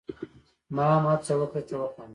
ما هم هڅه وکړه چې وخاندم.